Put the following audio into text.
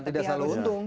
tidak selalu untung